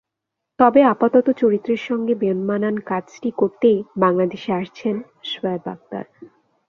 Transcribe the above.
তবে আপাতত চরিত্রের সঙ্গে বেমানান কাজটি করতেই বাংলাদেশে এসেছেন শোয়েব আখতার।